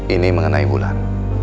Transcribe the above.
ini mengenai mulan